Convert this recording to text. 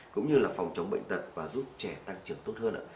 cũng như là phòng chống bệnh tật và giúp trẻ tăng trưởng tốt hơn ạ